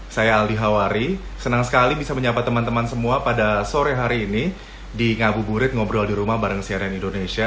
saya aldi hawari senang sekali bisa menyapa teman teman semua pada sore hari ini di ngabuburit ngobrol di rumah bareng cnn indonesia